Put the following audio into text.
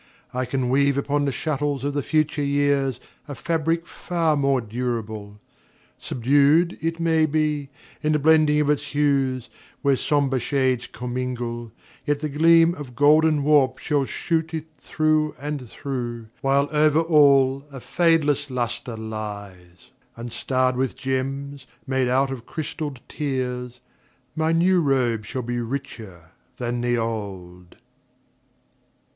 I can weave Upon the shuttles of the future years A fabric far more durable. Subdued, It may be, in the blending of its hues, Where somber shades commingle, yet the gleam Of golden warp shall shoot it through and through, While over all a fadeless luster lies, And starred with gems made out of crystalled tears, My new robe shall be richer than the old.